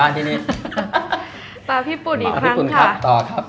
นั่งเฉยนั่งเฉยดูพี่เข้าถอยสองครั้งครับ